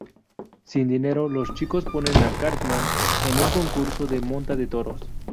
Sin dinero, los chicos ponen a Cartman en un concurso de monta de toros.